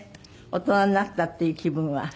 大人になったっていう気分は。